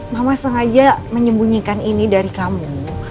mama sengaja menyembunyikan ini dari kamu